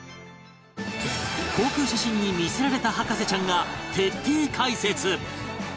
航空写真に魅せられた博士ちゃんが徹底解説